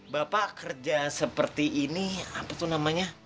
bapak kerja seperti ini apa tuh namanya